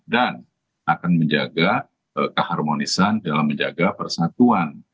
dan akan menjaga keharmonisan dalam menjaga persatuan